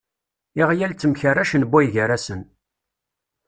Iɣyal temkerracen buygarasen.